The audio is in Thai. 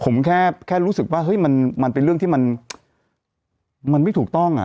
ผมแค่รู้สึกว่าเฮ้ยมันเป็นเรื่องที่มันไม่ถูกต้องอ่ะ